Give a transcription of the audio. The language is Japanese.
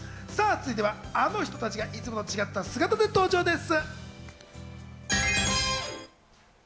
続いてはあの人たちがいつもと違った姿で登場です。